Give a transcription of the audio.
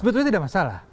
sebetulnya tidak masalah